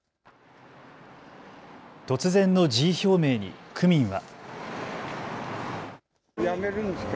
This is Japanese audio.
突然の辞意表明に区民は。